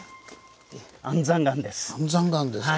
安山岩です。